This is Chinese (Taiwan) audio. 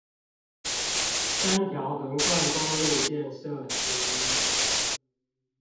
三條橫貫公路建設之一